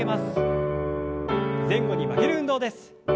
前後に曲げる運動です。